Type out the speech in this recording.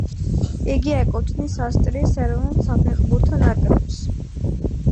იგი ეკუთვნის ავსტრიის ეროვნულ საფეხბურთო ნაკრებს.